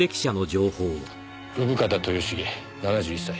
生方豊茂７１歳。